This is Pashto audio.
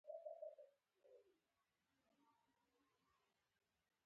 د حکومت غوښتنې په نه منلو سره.